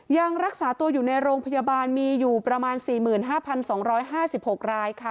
ยังรักษาตัวอยู่ในโรงพยาบาลมีอยู่ประมาณ๔๕๒๕๖รายค่ะ